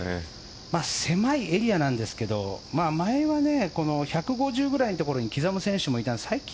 狭いエリアなんですけど前は１５０ぐらいの所に刻む選手もいた。